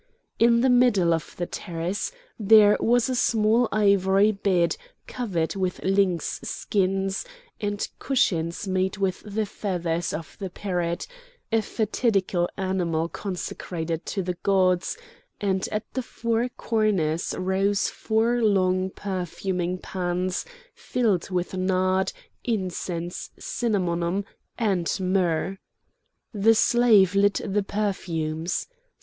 In the middle of the terrace there was a small ivory bed covered with lynx skins, and cushions made with the feathers of the parrot, a fatidical animal consecrated to the gods; and at the four corners rose four long perfuming pans filled with nard, incense, cinnamomum, and myrrh. The slave lit the perfumes.